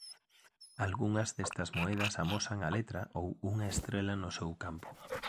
Algunhas destas moedas amosan a letra ou unha estrela no seu campo.